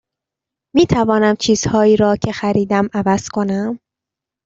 می توانم چیزهایی را که خریدم عوض کنم؟